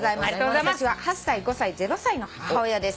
私は８歳５歳０歳の母親です」